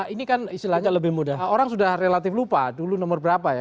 ini kan istilahnya lebih mudah orang sudah relatif lupa dulu nomor berapa ya